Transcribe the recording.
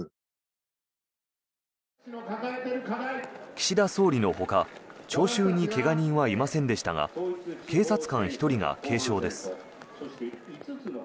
岸田総理のほか聴衆に怪我人はいませんでしたが警察官１人が軽傷です。